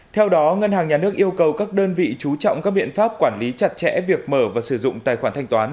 theo đó ngân hàng nhà nước yêu cầu các đơn vị chú trọng các biện pháp quản lý chặt chẽ việc mở và sử dụng tài khoản thanh toán